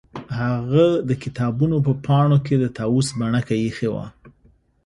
هغه د کتابونو په پاڼو کې د طاووس بڼکه ایښې وه